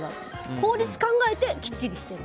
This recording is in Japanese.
効率を考えてきっちりしている。